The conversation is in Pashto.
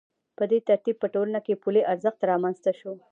په دې ترتیب په ټولنه کې پولي ارزښت رامنځته شو